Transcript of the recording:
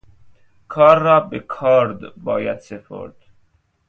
کار را به کارد باید سپرد.